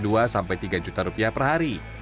omzet dua tiga juta rupiah per hari